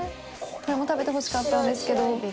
これも食べてほしかったんですけど。